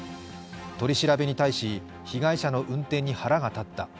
取り調べに対し、被害者の運転に腹が立った。